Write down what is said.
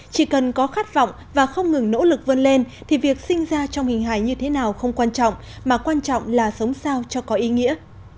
chỉ cần có khát vọng và không ngừng nỗ lực vươn lên thì việc sinh ra trong hình hài như thế nào không quan trọng mà quan trọng là sống sao cho có ý nghĩa